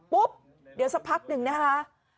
ปุ๊บเดี๋ยวสักพักหนึ่งนะคะ